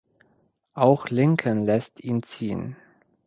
Auch Lincoln lässt ihn ziehen.